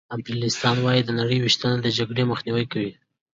امپریالیستان وايي د نړۍ وېشنه د جګړې مخنیوی کوي